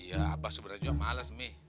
iya mbak sebenarnya juga males mie